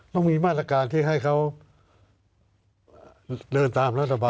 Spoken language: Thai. ต้องมีมาตรการที่ให้เขาเดินตามรัฐบาล